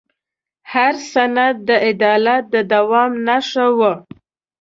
هر سند د عدالت د دوام نښه وه.